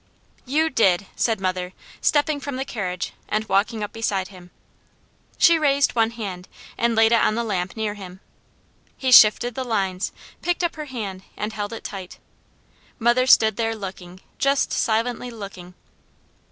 "You did!" said mother, stepping from the carriage and walking up beside him. She raised one hand and laid it on the lamp near him. He shifted the lines, picked up her hand, and held it tight. Mother stood there looking, just silently looking.